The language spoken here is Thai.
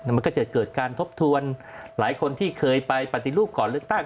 มันก็จะเกิดการทบทวนหลายคนที่เคยไปปฏิรูปก่อนเลือกตั้ง